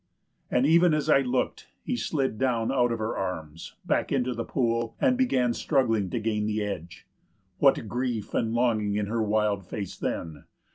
And even as I looked he slid down from out of her arms; back into the pool, and began struggling to gain the edge. What grief and longing in her wild face then!